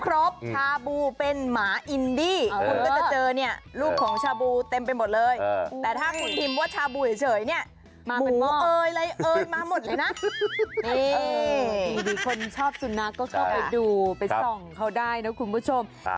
ร้านอาหารมาเพียบเลยครับ